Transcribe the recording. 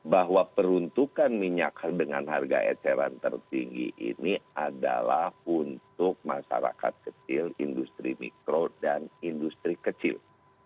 bahwa peruntukan minyak dengan harga eceran tertinggi ini adalah untuk masyarakat kecil industri mikro dan industri kecil